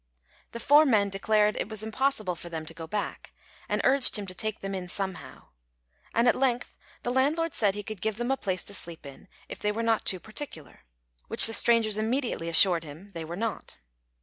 The four men declared it was impossible for them to go back, and urged him to take them in somehow; and at length the landlord said he could give them a place to sleep in if they were not too particular, which the strangers immediately assured him they were not.